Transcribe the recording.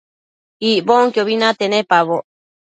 Icbonquiobi nate nepaboc